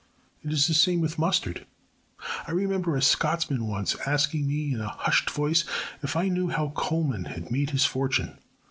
It is the same with mustard. I remember a Scotsman once asking me in a hushed voice if I knew how Colman had made his fortune.